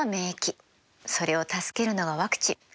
それを助けるのがワクチン。